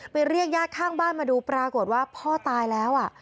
เรียกญาติข้างบ้านมาดูปรากฏว่าพ่อตายแล้ว